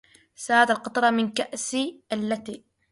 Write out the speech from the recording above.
سالت القطرة من كأسي التي